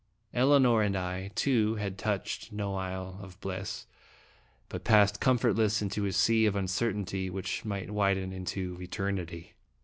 Elinor and I, too, had touched no isle of bliss, but passed comfortless into a sea of uncer tainty which might widen into eternity.